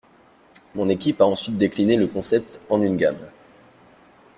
Mon équipe a ensuite décliné le concept en une gamme.